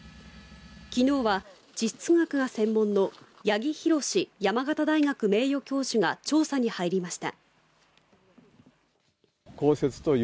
昨日は地質学が専門の八木浩司山形大学名誉教授が調査に入りました